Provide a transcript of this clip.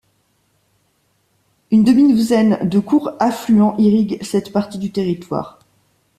Une demi-douzaine de courts affluents irriguent cette partie du territoire.